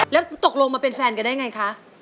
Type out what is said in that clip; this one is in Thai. แล้วตกลงมาเป็นแฟนกันได้ไงคะ